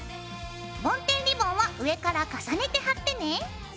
ぼんてんリボンは上から重ねて貼ってね。